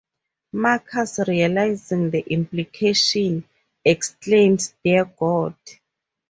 Marcus, realizing the implication, exclaims Dear God!